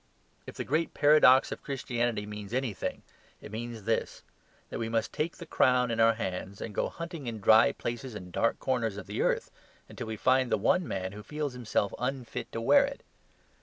If the great paradox of Christianity means anything, it means this that we must take the crown in our hands, and go hunting in dry places and dark corners of the earth until we find the one man who feels himself unfit to wear it.